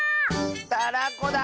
たらこだ！